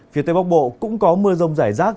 phía tây bắc bộ cũng có mưa rông rải rác